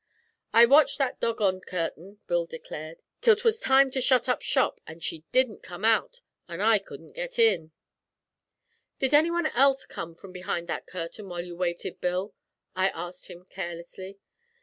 'I watched that doggoned curtain,' Bill declared, 'till 'twas time to shut up shop, but she didn't come out, an' I couldn't git in.' 'Did anyone come out from behind that curtain while you waited, Bill?' I asked him carelessly.